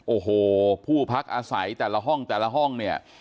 โอ้โหผู้พักอาศัยแต่ละห้องแต่ละห้องเนี่ย